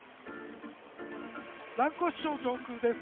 蘭越町上空です。